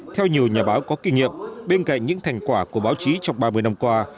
theo nhiều nhà báo có kinh nghiệm bên cạnh những thành quả của báo chí trong ba mươi năm qua